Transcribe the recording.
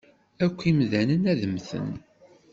Akk imdanen ad mmten.